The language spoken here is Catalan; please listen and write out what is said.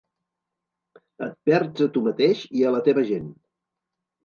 Et perds a tu mateix i a la teva gent.